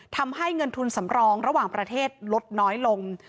ทำให้เงินทุนสำรองระหว่างประเทศลดน้อยลง